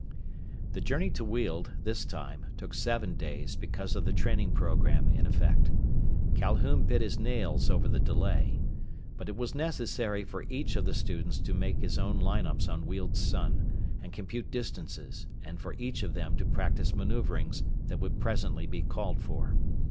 The journey to Weald, this time, took seven days because of the training program in effect. Calhoun bit his nails over the delay. But it was necessary for each of the students to make his own line ups on Weald's sun, and compute distances, and for each of them to practise maneuverings that would presently be called for.